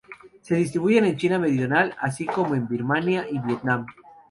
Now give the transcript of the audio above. Se distribuyen en China meridional así como Birmania y Vietnam.